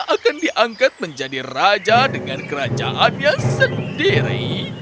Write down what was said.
akan diangkat menjadi raja dengan kerajaannya sendiri